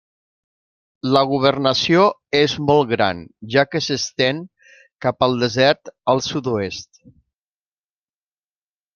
La governació és molt gran, ja que s'estén cap al desert al sud-oest.